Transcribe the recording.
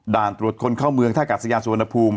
ตรวจคนเข้าเมืองท่ากาศยานสุวรรณภูมิ